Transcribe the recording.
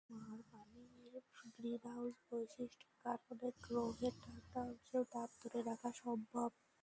আর পানির গ্রিনহাউজ বৈশিষ্ট্যর কারণে গ্রহের ঠান্ডা অংশেও তাপ ধরে রাখা সম্ভব হবে।